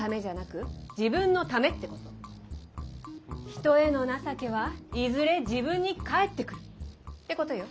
人への情けはいずれ自分に返ってくるってことよ。